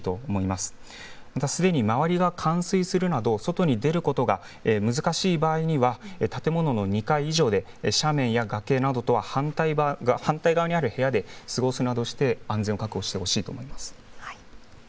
またすでに周りが冠水するなど、外に出ることが難しい場合には、建物の２階以上で斜面や崖などとは反対側にある部屋で過ごすなどして、安全を確保してほしいと思います。